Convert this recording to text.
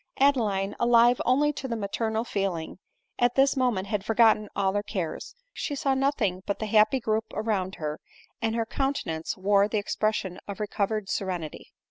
Adeline, alive only to the maternal feeling, at this moment had forgotten all her cares ; she saw nothing but the happy group around her, and her countenance wore the expression of recovered serenity.